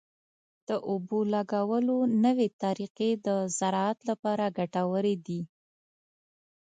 د اوبو لګولو نوې طریقې د زراعت لپاره ګټورې دي.